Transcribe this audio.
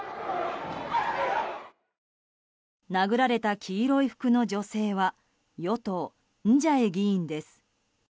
殴られた黄色い服の女性は与党、ンジャエ議員です。